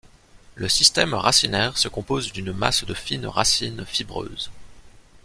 Le système racinaire se compose d'une masse de fines racines fibreuses.